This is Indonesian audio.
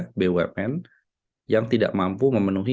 ketiga satu d unless ulasan forwarding ketiga ini mudah mungkin c c certain